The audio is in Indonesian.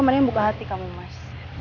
kemarin buka hati kamu mas